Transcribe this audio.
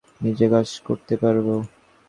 এ রকম ভাবলেই কেবল আনন্দ নিয়ে কাজ করতে পারব।